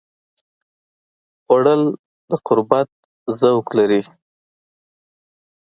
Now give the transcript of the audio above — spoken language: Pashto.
خوړل د قربت ذوق لري